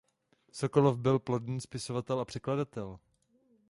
Sokolov byl plodný spisovatel a překladatel.